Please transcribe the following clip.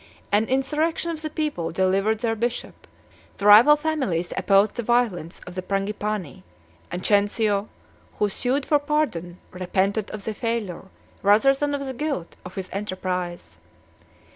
An insurrection of the people delivered their bishop: the rival families opposed the violence of the Frangipani; and Cencio, who sued for pardon, repented of the failure, rather than of the guilt, of his enterprise.